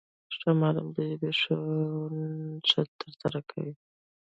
ښه معلم د ژبي ښوونه ښه ترسره کوي.